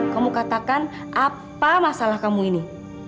kamu katakan apa masalah kamu ini